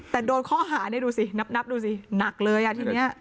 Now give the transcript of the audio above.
แต่โดนข้อหาเนี่ยนับดูสิหนักเลยอันนี้